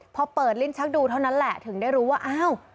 พอเปิดลิ้นชักดูเท่านั้นแหละถึงได้รู้ว่าอ้าว